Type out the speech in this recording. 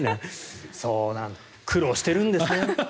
苦労しているんですね。